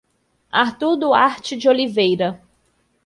Artur Duarte de Oliveira